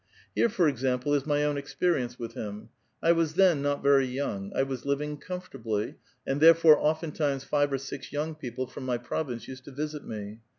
Here, for example, is my own experience with him. I was then not very young ; I was living comfortably, and therefore oftentimes five or six young people from my province used to visit me.